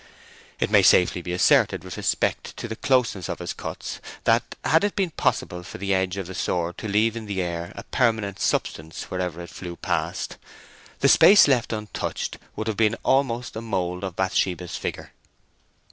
It may safely be asserted with respect to the closeness of his cuts, that had it been possible for the edge of the sword to leave in the air a permanent substance wherever it flew past, the space left untouched would have been almost a mould of Bathsheba's figure.